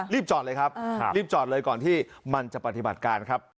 รีบจอดเลยครับรีบจอดเลยก่อนที่มันจะปฏิบัติการครับ